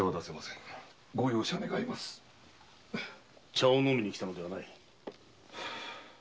茶を飲みに来たのではない。